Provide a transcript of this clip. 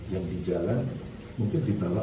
yang bisa seperti apa